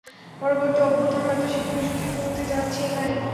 পরবর্তী অভ্যুত্থান হয়তো শীঘ্রই সূচিত হতে যাচ্ছে এখানে।